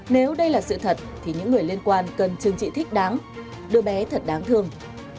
nếu đây là sự thật thì những người liên quan cần chương trị thích đáng đưa bé thật đáng thương